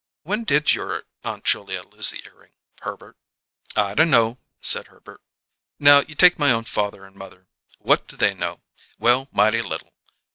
When did your Aunt Julia lose the earring, Herbert?" "I d' know," said Herbert. "Now, you take my own father and mother: What do they know? Well, mighty little.